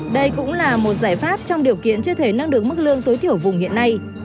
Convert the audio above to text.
đây cũng là một giải pháp trong điều kiện chưa thể nâng được mức lương tối thiểu vùng hiện nay